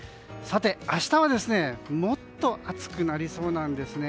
明日はもっと暑くなりそうなんですね。